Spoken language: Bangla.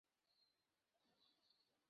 আর এর আগে আমি কখনোই সত্য কথা বলিনি।